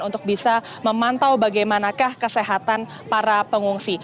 untuk bisa memantau bagaimanakah kesehatan para pengungsi